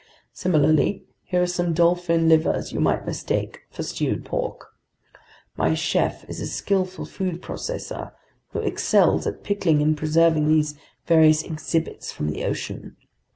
Similarly, here are some dolphin livers you might mistake for stewed pork. My chef is a skillful food processor who excels at pickling and preserving these various exhibits from the ocean.